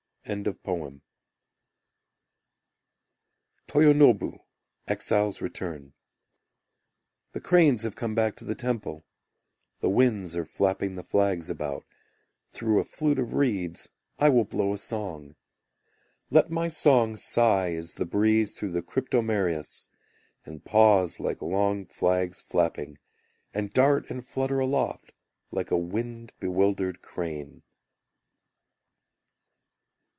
Toyonobu. Exile's Return The cranes have come back to the temple, The winds are flapping the flags about, Through a flute of reeds I will blow a song. Let my song sigh as the breeze through the cryptomerias, And pause like long flags flapping, And dart and flutter aloft, like a wind bewildered crane.